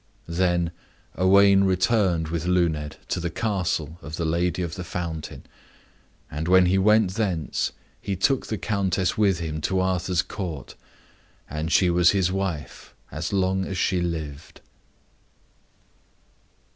Then Owain returned with Luned to the castle of the Lady of the Fountain. And when he went thence, he took the Countess with him to Arthur's court, and she was his wife as long as she lived.